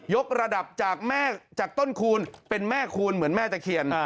กระดับจากแม่จากต้นคูณเป็นแม่คูณเหมือนแม่ตะเคียน